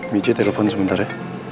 michi telepon sebentar ya